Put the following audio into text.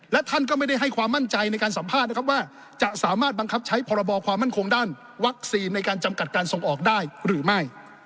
และท่านก็ไม่ได้ให้ความมั่นใจในการสัมภาษณ์นะครับว่าจะสามารถบังคับใช้พรบความมั่นคงด้านวัคซีนในการจำกัดการส่งออกได้หรือไม่